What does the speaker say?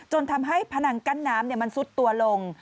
ทำให้พนังกั้นน้ำมันซุดตัวลง